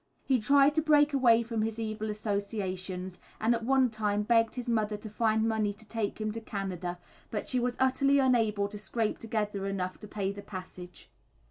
He tried to break away from his evil associations, and at one time begged his mother to find money to take him to Canada, but she was utterly unable to scrape together enough to pay the passage.